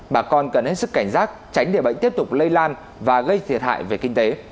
bà con cần hết sức cảnh giác tránh để bệnh tiếp tục lây lan và gây thiệt hại về kinh tế